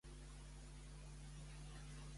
La cançó d'abans, la pots posar en bucle?